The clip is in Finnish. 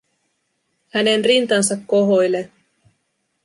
Hänen rintansa kohoilee.